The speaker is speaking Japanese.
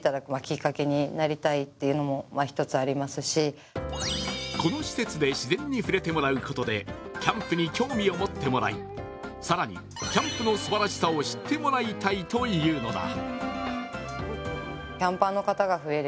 山井梨沙社長はこの施設で自然に触れてもらうことでキャンプに興味を持ってもらい更にキャンプのすばらしさを知ってもらいたいというのだ。